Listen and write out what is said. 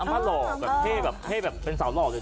แบบแบบแอบห้างสาวหลอก